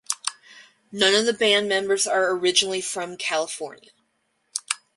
None of the band members are originally from California.